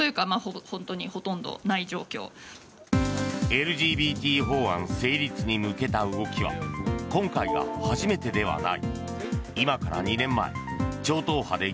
ＬＧＢＴ法案成立に向けた動きは今回が初めてではない。